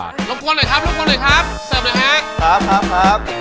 ครับครับครับ